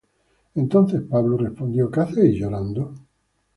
Entonces Pablo respondió: ¿Qué hacéis llorando y afligiéndome el corazón?